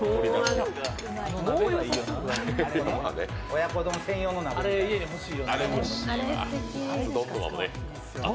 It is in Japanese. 親子丼専用の鍋みたい。